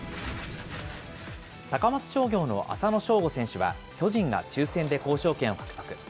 高松商業の浅野翔吾選手は、巨人が抽せんで交渉権を獲得。